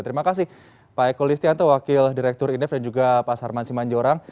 terima kasih pak eko listianto wakil direktur indef dan juga pak sarman simanjorang